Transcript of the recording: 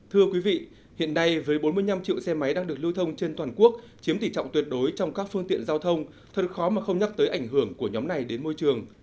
thưa quý vị hiện nay với bốn mươi năm triệu xe máy đang được lưu thông trên toàn quốc chiếm tỷ trọng tuyệt đối trong các phương tiện giao thông thật khó mà không nhắc tới ảnh hưởng của nhóm này đến môi trường